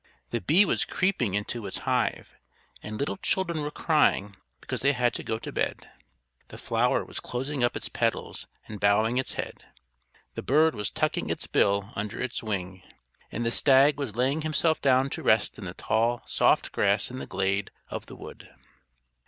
The bee was creeping into its hive, and little children were crying because they had to go to bed. The flower was closing up its petals and bowing its head; the bird was tucking its bill under its wing; and the stag was laying himself down to rest in the tall, soft grass in the glade of the wood.